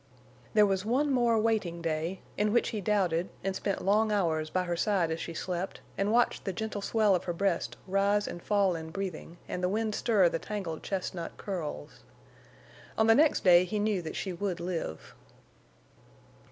There was one more waiting day, in which he doubted, and spent long hours by her side as she slept, and watched the gentle swell of her breast rise and fall in breathing, and the wind stir the tangled chestnut curls. On the next day he knew that she would live.